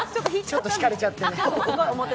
ちょっと引かれちゃってね。